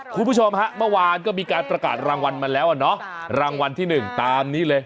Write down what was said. คุณผู้ชมฮะเมื่อวานก็มีการประกาศรางวัลมาแล้วอ่ะเนาะรางวัลที่หนึ่งตามนี้เลย